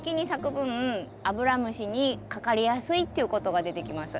分アブラムシにかかりやすいっていうことが出てきます。